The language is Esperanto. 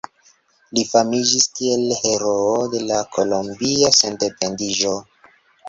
Li famiĝis kiel heroo de la kolombia sendependiĝo.